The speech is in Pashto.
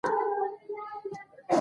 شپېتمې مادې